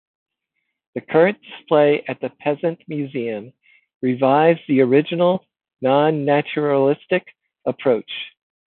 The current display at the Peasant Museum revives the original non-naturalistic approach.